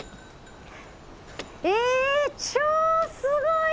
え超すごい！